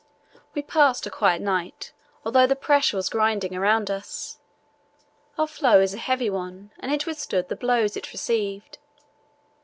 —We passed a quiet night, although the pressure was grinding around us. Our floe is a heavy one and it withstood the blows it received.